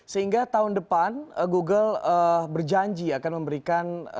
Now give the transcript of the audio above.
sehingga tahun depan google berjanji akan memberikan